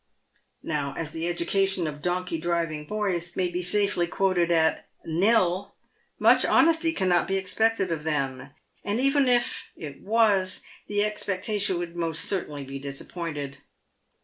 Now, as the education of donkey driving boys may be safely quoted at nil, much honesty cannot be expected of them, and even if it was, the expectation would most certainly be disappointed.